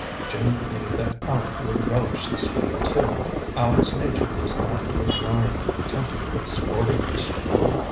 Jim knew that Aleck would relish the spin, too. Aleck's nature was that of a grind tempered with sportiness.